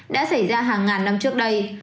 đã xảy ra hàng ngàn năm trước đây